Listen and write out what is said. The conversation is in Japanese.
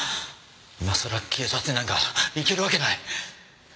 今さら警察になんか行けるわけない。